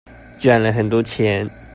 賺了很多錢